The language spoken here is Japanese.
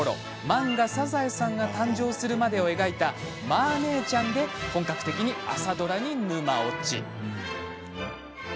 漫画「サザエさん」が誕生するまでを描いた「マー姉ちゃん」で本格的に朝ドラに沼落ち。